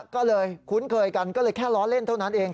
ก็เลยคุ้นเคยกันก็เลยแค่ล้อเล่นเท่านั้นเอง